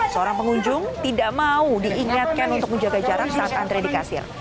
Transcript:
seorang pengunjung tidak mau diingatkan untuk menjaga jarak saat antre di kasir